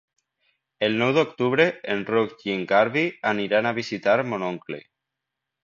El nou d'octubre en Roc i en Garbí aniran a visitar mon oncle.